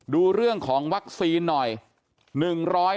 ดูเรื่องของวัคซีนหน่อย